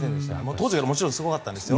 当時からもちろんすごかったんですよ。